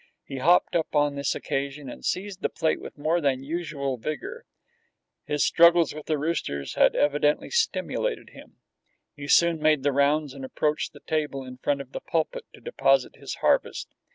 He hopped up on this occasion and seized the plate with more than usual vigor. His struggles with the roosters had evidently stimulated him. He soon made the rounds and approached the table in front of the pulpit to deposit his harvest.